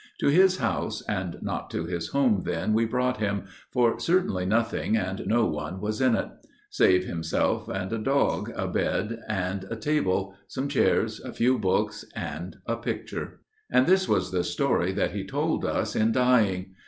To his house, and not to his home, then, we brought him, For certainly nothing and no one was in it, Save himself and a dog, a bed and a table, Some chairs, a few books, and a Picture. And this was the story that he told us in dying.